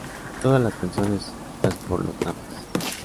Todas las canciones escritas por Los Natas